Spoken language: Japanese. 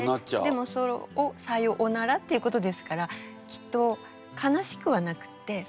でもそれを「さよおなら」っていうことですからきっと悲しくはなくってサバサバと。